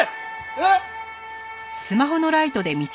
えっ？